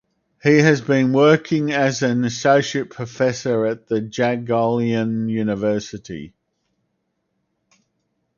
He has been working as an associate professor at the Jagiellonian University.